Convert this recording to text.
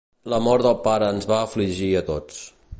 La mort del pare ens va afligir a tots.